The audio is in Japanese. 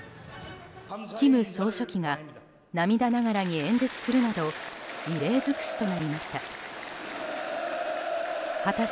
金総書記が涙ながらに演説するなど異例尽くしとなりました。